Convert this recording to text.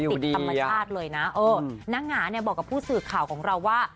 ติดธรรมชาติเลยนะเออนางหงาเนี่ยบอกกับผู้สื่อข่าวของเราว่า